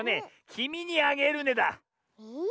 「きみにあげるね」だ。え？